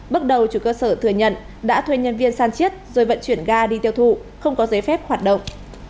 bước đầu chủ cơ sở thừa nhận đã thuê nhân viên san chiết rồi vận chuyển ga đi tiêu thụ không có giấy phép hoạt động